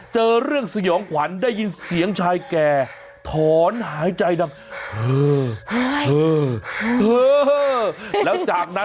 เจอเรื่องสยองขวัญได้ยินเสียงชายแก่ถอนหายใจดังจากนั้น